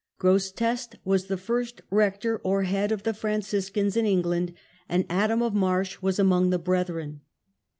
Grosseteste Their good was the first rector (or head) of the Fran ^^^^ ciscans in England, and Adam of Marsh was among the brethren.